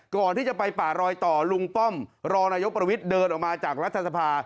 ก่อนที่จะไปป่ารอยต่อลุงป้อมรองนายกประวิทย์เดินออกมาจากรัฐสภา